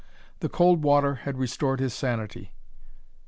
The cold water had restored his sanity.